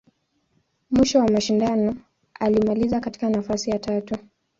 Mwisho wa mashindano, alimaliza katika nafasi ya tatu.